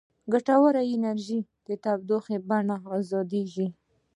ګټوره انرژي د تودوخې په بڼه ازادیږي.